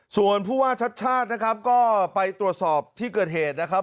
ส่วนผู้ว่าชัดชาตินะครับก็ไปตรวจสอบที่เกิดเหตุนะครับ